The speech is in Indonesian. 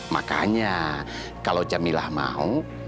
makanya kalau jamilah mau